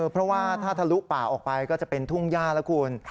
เพราะว่าถ้าทะลุป่าออกไปก็จะเป็นทุ่งย่าแล้วคุณ